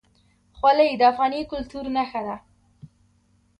خولۍ د افغاني کلتور نښه ده.